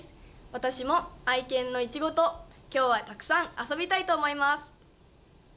私も愛犬のいちごと今日はたくさん遊びたいと思います。